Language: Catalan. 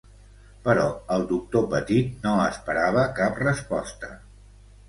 Però el doctor Petit no esperava cap resposta.